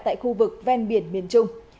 tại khu vực ven biển miền trung